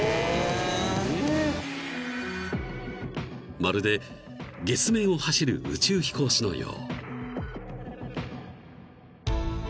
［まるで月面を走る宇宙飛行士のよう］